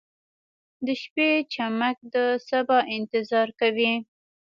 • د شپې چمک د سبا انتظار کوي.